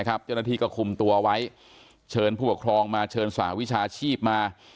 ก็คุมตัวไว้เชิญผู้ปกครองมาเชิญสหาวิชาชีพมา